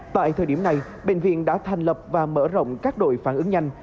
tại thời điểm này bệnh viện đã thành lập và mở rộng các đội phản ứng nhanh